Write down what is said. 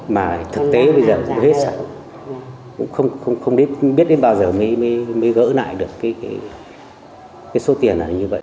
mà thực tế bây giờ cũng hết sức cũng không biết đến bao giờ mới gỡ lại được cái số tiền này như vậy